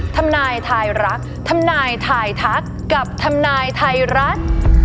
ทำนายทายรักทำนายทายทักกับทำนายไทยรัฐ